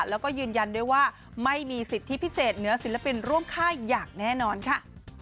แล้วก็ยืนยันด้วยว่าไม่มีสิทธิพิเศษเหนือศิลปินร่วมค่ายอย่างแน่นอนค่ะ